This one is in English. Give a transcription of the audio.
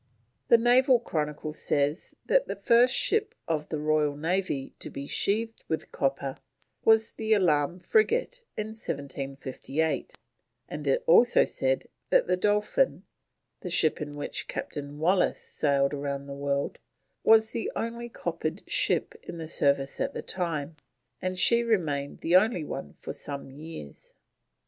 The Naval Chronicle says the first ship of the Royal Navy to be sheathed with copper was the Alarm frigate in 1758; and it is also said that the Dolphin, the ship in which Captain Wallis sailed round the world, was the only coppered ship in the service at this time, and she remained the only one for some years.